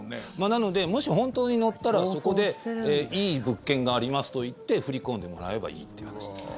なのでもし本当に乗ったらそこでいい物件がありますと言って振り込んでもらえばいいという話ですね。